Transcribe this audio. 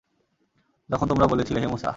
যখন তোমরা বলেছিলে, হে মূসা!